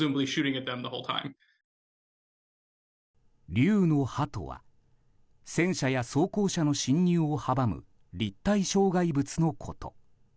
竜の歯とは戦車や装甲車の侵入を阻む立体障害物のこと。